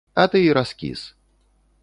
А ты і раскіс.